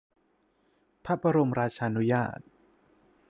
พระบรมราชานุญาต